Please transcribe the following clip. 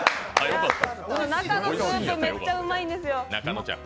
中のスープ、めっちゃうまいんですよ。